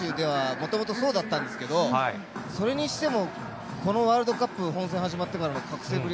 もともと、そうだったんですけど、それにしてもこのワールドカップ本戦始まってからの覚醒ぶり